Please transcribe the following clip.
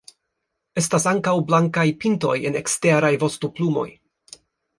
Estas ankaŭ blankaj pintoj en eksteraj vostoplumoj.